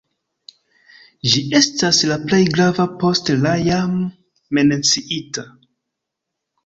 Ĝi estas la plej grava post la jam menciita.